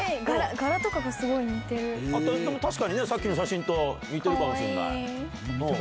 確かにさっきの写真と似てるかもしれない。